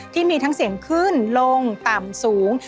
ที่มีทั้งเสียงขึ้นลงต่ำสูง